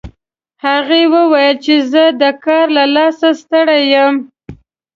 هغې وویل چې زه د کار له لاسه ستړي یم